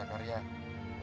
emang masih hape ya